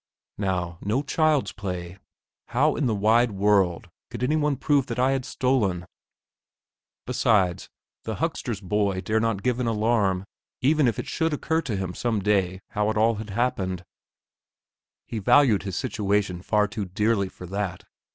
Now, no child's play. How in the wide world could any one prove that I had stolen? Besides, the huckster's boy dare not give an alarm, even if it should occur to him some day how it had all happened. He valued his situation far too dearly for that.